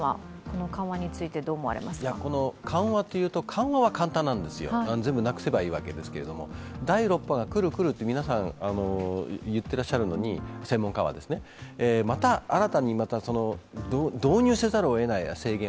緩和というと、緩和は簡単なんですよ。全部なくせばいいわけですけれども第６波が来る来ると専門家は言っていらっしゃるのにまた新たに制限を導入せざるをえない。